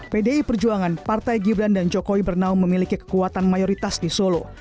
pdi perjuangan partai gibran dan jokowi bernaung memiliki kekuatan mayoritas di solo